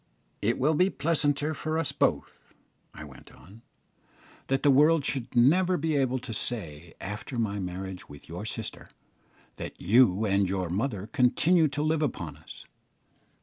"It will be pleasanter for us both," I went on, "that the world should never be able to say, after my marriage with your sister, that you and your mother continue to live upon us.